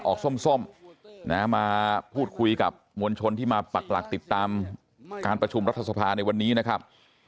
ส้มนะมาพูดคุยกับมวลชนที่มาปักหลักติดตามการประชุมรัฐสภาในวันนี้นะครับ